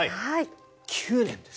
９年です。